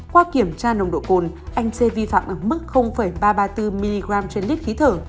qua kiểm tra nồng độ cồn anh sê vi phạm ở mức ba trăm ba mươi bốn mg trên lít khí thở